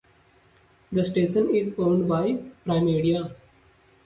The station is owned by Primedia.